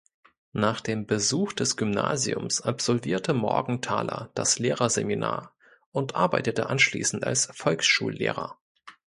Nach dem Besuch des Gymnasiums absolvierte Morgenthaler das Lehrerseminar und arbeitete anschließend als Volksschullehrer.